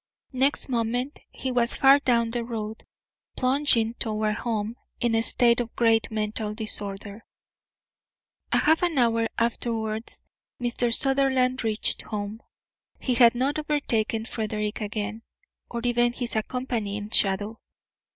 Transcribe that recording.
Next moment he was far down the road, plunging toward home in a state of great mental disorder. A half hour afterwards Mr. Sutherland reached home. He had not overtaken Frederick again, or even his accompanying shadow.